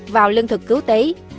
vào lương thực cứu tế